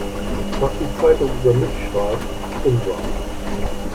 Was die Zeitung über mich schreibt, ist unwahr.